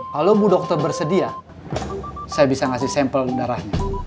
kalau bu dokter bersedia saya bisa ngasih sampel darahnya